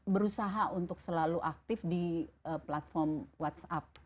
berusaha untuk selalu aktif di platform whatsapp